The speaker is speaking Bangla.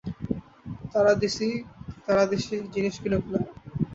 তারা দিশি জিনিস কিনুক-না।